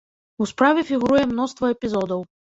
У справе фігуруе мноства эпізодаў.